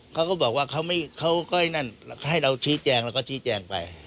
เขาก็บอกว่าเขาก็นั่นให้เราชี้แจงแล้วก็ชี้แจงไป